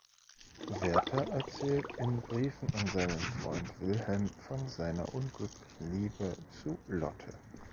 Werther erzählt in Briefen an seinen Freund Wilhelm von seiner unglücklichen Liebe zu Lotte.